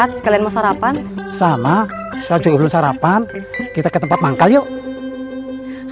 saat sekalian mau sarapan sama saya juga belum sarapan kita ke tempat manggal yuk